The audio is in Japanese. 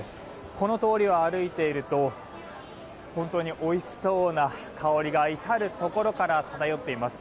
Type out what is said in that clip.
この通りを歩いていると本当においしそうな香りが至るところから漂っています。